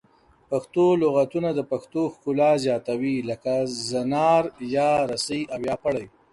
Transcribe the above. پښتو لغتونه د پښتو ښکلا زیاتوي لکه زنار یا رسۍ او یا پړی